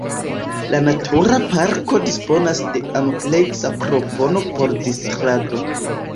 La Natura Parko disponas de ampleksa propono por distrado.